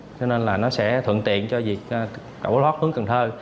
cho nên là nó sẽ thuận tiện cho việc cẩu lót hướng cần thơ